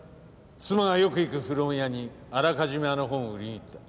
妻がよく行く古本屋にあらかじめあの本を売りにいった。